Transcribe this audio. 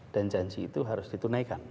dan janji itu harus ditunaikan